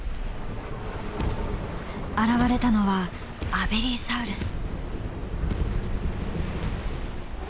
現れたのはアベリサウルス。